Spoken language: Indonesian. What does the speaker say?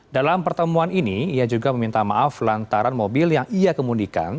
dalam pertemuan ini ia juga meminta maaf lantaran mobil yang ia kemundikan